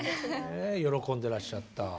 喜んでらっしゃった。